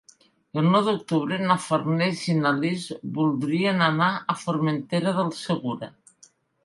El nou d'octubre na Farners i na Lis voldrien anar a Formentera del Segura.